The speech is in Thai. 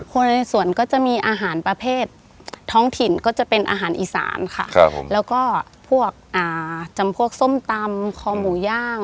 คนในสวนก็จะมีอาหารประเภทท้องถิ่นก็จะเป็นอาหารอีสานค่ะครับผมแล้วก็พวกอ่าจำพวกส้มตำคอหมูย่าง